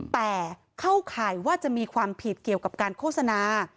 แต่เข้าข่ายว่าจะมีความผิดเกี่ยวกับการโฆษณา